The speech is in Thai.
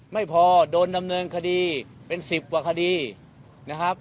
ไม่พอโดนดำเนินคดีเป็น๑๐กว่าคดีนะครับ